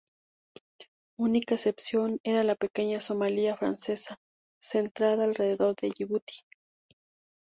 Única excepción era la pequeña Somalia francesa, centrada alrededor de Yibuti.